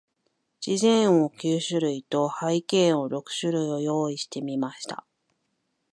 自然音九種類と、背景音六種類を用意してみました。